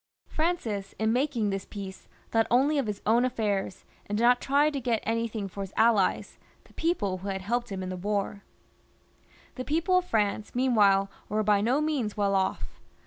Francis, in making this peace, thought only of his own affairs, and did not try to get anything they wished for his allies, the people who had helped him in the war. 252 FRANCIS L fcH. The people of France, meanwhile, were by no means well off.